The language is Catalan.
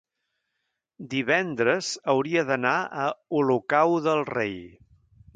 Divendres hauria d'anar a Olocau del Rei.